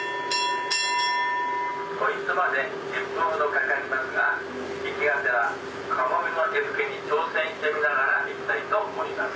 ポイントまで１０分ほどかかりますがカモメの餌付けに挑戦しながら行きたいと思います。